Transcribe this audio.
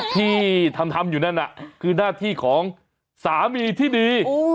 ที่ทำอยู่นั่นน่ะคือหน้าที่ของสามีที่ดี